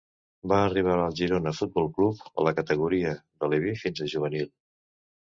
Va arribar al Girona Futbol Club a la categoria d'aleví fins a juvenil.